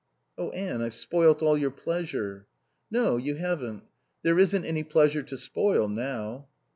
"Oh, Anne, I've spoilt all your pleasure." "No, you haven't. There isn't any pleasure to spoil now."